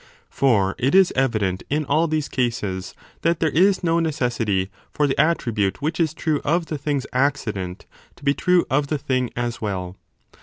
For it is evident in all these cases that there is no necessity for the attribute which is true of the thing s accident to be true of the thing as well.